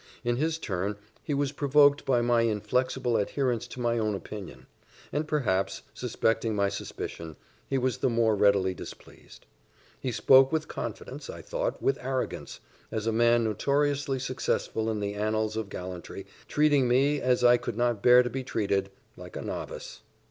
In his turn, he was provoked by my inflexible adherence to my own opinion; and perhaps, suspecting my suspicion, he was the more readily displeased. He spoke with confidence, I thought with arrogance, as a man notoriously successful in the annals of gallantry, treating me, as I could not bear to be treated, like a novice.